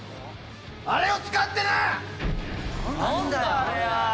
あれを使ってな！